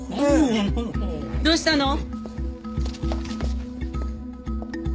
どうしたの？